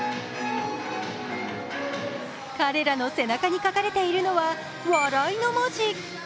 彼らの背中に書かれているのは「笑い」の文字。